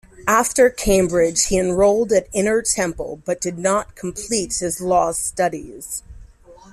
After Cambridge he enrolled at Inner Temple but did not complete his law studies.